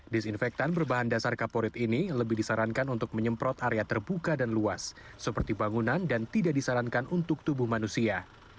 disinfektan berbahan dasar kaporit ini lebih disarankan untuk menyemprot area terbuka dan luas seperti bangunan dan tidak disarankan untuk tubuh manusia